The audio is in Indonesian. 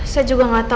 saya juga gak tahu